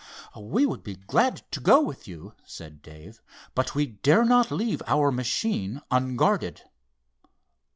"We would be glad to go with you," said Dave, "but we dare not leave our machine unguarded."